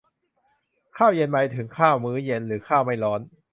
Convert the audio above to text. ข้าวเย็น หมายถึงข้าวมื้อเย็น หรือข้าวไม่ร้อน